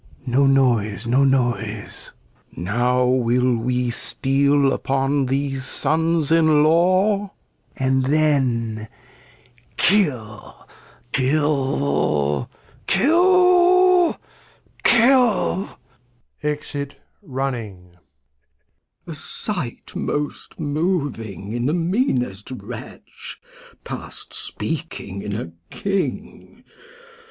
no Noise, no Noise. ^Now will we steal upon these Sons in Law, and then Kill, kiU, kill, kiU! \E%it Running. Glost. A Sight most moving in the meanest Wretch, Past speaking in a King.